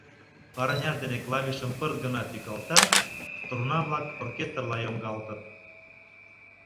Парняж дене клавишым пырт гына тӱкалта — струна-влак оркестрла йоҥгалтыт.